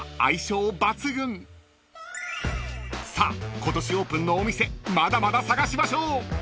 ［さあ今年オープンのお店まだまだ探しましょう］